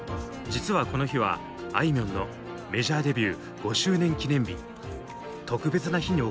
実はこの日はあいみょんのメジャーデビュー５周年記念日。